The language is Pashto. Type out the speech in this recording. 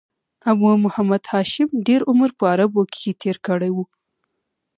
ابو محمد هاشم ډېر عمر په عربو کښي تېر کړی وو.